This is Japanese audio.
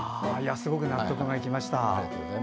すごく納得がいきました。